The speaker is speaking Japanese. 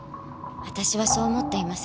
私はそう思っています。